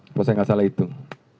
supaya saya tidak salah hitung